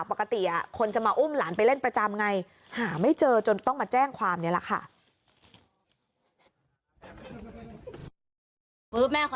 ปกติคนจะมาอุ้มหลานไปเล่นประจำไงหาไม่เจอจนต้องมาแจ้งความนี่แหละค่ะ